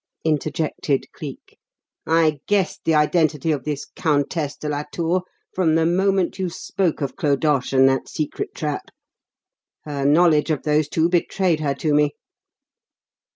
interjected Cleek. "I guessed the identity of this 'Countess de la Tour' from the moment you spoke of Clodoche and that secret trap. Her knowledge of those two betrayed her to me.